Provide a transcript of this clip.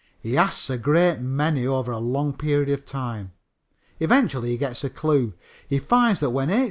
He asks a great many over a long period of time. Eventually he gets a clue. He finds that when H.